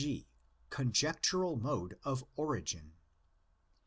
G.—Conjectural Mode of Origin.